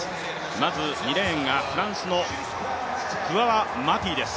まず２レーンがフランスのクワウマティです。